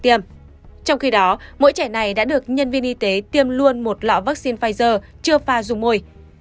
trong khi đó mỗi trẻ này đã được nhân viên y tế tiêm luôn một lọ vaccine pfizer chưa pha dùng mồi